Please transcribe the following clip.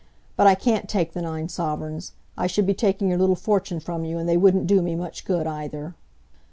But I can't take the nine sovereigns; I should be taking your little fortune from you, and they wouldn't do me much good either."